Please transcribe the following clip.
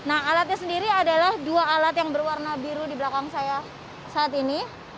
nah alatnya sendiri adalah dua alat yang berwarna biru di belakang saya saat ini